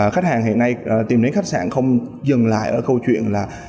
khách hàng hiện nay tìm đến khách sạn không dừng lại ở câu chuyện là